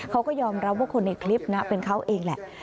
เขาก็ยอมรับว่าคนในคลิปนะเป็นเขาเองแหละ